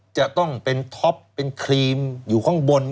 จะต้องเป็นท็อปเป็นครีมอยู่ข้างบน